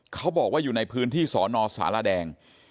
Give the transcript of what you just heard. เขาบอกว่าอยู่ในพื้นที่สอนอสารแดง